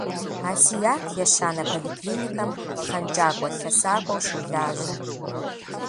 Асият ещанэ поликлиникэм пхъэнкӏакӏуэ-лъэсакӏуэу щолажьэ.